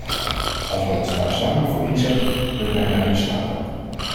Als wij ons daar samen voor inzetten, kunnen wij daarin slagen.